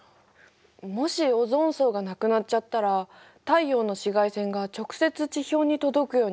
もしオゾン層がなくなっちゃったら太陽の紫外線が直接地表に届くようになるんでしょ？